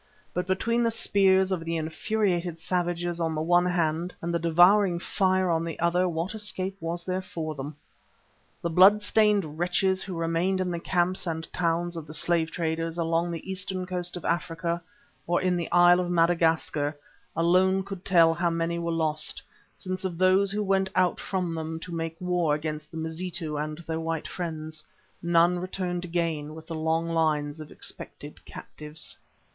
But between the spears of the infuriated savages on the one hand and the devouring fire on the other what escape was there for them? The blood stained wretches who remained in the camps and towns of the slave traders, along the eastern coast of Africa, or in the Isle of Madagascar, alone could tell how many were lost, since of those who went out from them to make war upon the Mazitu and their white friends, none returned again with the long lines of expected captives.